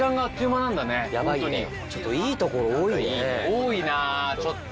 多いなちょっと。